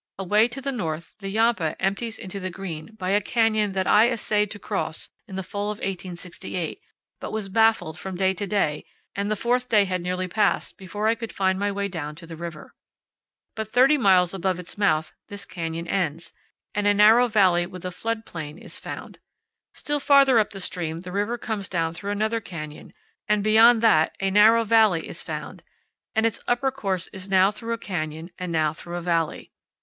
Away to the north the Yampa empties into the Green by a canyon that I essayed to cross in the fall of 1868, but was baffled from day to day, and the fourth day had nearly passed before I could find my way down to the river. But thirty miles above its mouth this canyon ends, and a narrow valley with a flood plain 31 powell canyons 12.jpg RUINS OF TOYALONE. 32 CANYONS OF THE COLORADO. is found. Still farther up the stream the river comes down through another canyon, and beyond that a narrow valley is found, and its upper course is now through a canyon and now through a valley.